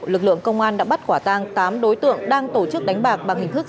lực lượng công an đã bắt quả tang tám đối tượng đang tổ chức đánh bạc